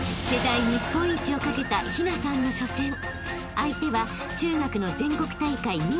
［相手は］